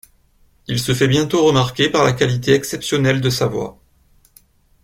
Il se fait bientôt remarquer par la qualité exceptionnelle de sa voix.